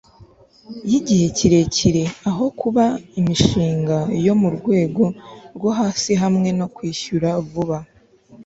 y'igihe kirekire aho kuba imishinga yo mu rwego rwo hasi hamwe no kwishyura vuba